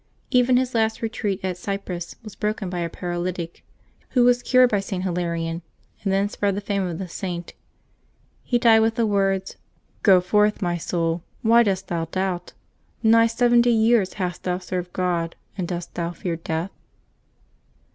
Even his last retreat at Cyprus was broken by a paralytic, who was cured by St. Hilarion, and then spread the fame of the Saint. He died with the words, " Go forth, my soul ; why dost thou doubt ? Nigh seventy years hast thou served God, and dost thou fear death